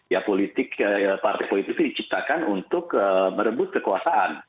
ya politik partai politik itu diciptakan untuk merebut kekuasaan